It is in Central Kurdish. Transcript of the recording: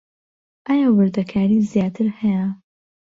ئایا وردەکاریی زیاتر هەیە؟